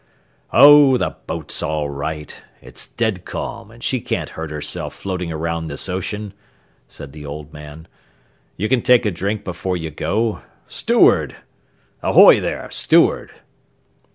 "Oh, the boat's all right. It's dead calm, and she can't hurt herself floating around this ocean," said the old man. "You can take a drink before you go. Steward! Ahoy there, steward!"